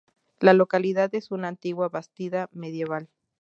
La localidad es una antigua bastida medieval